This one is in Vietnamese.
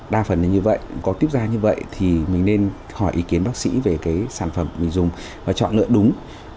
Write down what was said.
đa phần như vậy có tiếp ra như vậy thì mình nên hỏi ý kiến bác sĩ về cái sản phẩm mình dùng và chọn lựa đúng